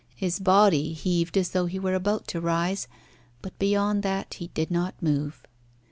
His body heaved as though he were about to rise, but beyond that he did not move.